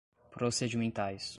procedimentais